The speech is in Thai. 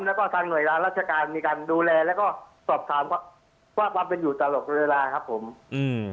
แล้วก็ทางหน่วยงานราชการมีการดูแลแล้วก็สอบถามว่าความเป็นอยู่ตลอดเวลาครับผมอืม